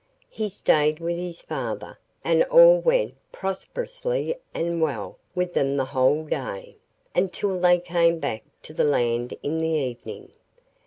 He stayed with his father, and all went prosperously and well with them the whole day, until they came back to land in the evening.